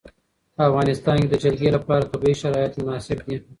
په افغانستان کې د جلګه لپاره طبیعي شرایط مناسب دي.